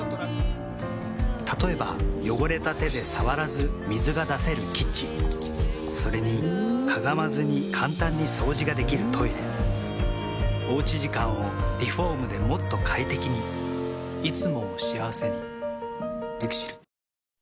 例えば汚れた手で触らず水が出せるキッチンそれにかがまずに簡単に掃除ができるトイレおうち時間をリフォームでもっと快適にいつもを幸せにＬＩＸＩＬ。